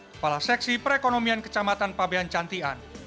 kepala seksi perekonomian kecamatan pabean cantian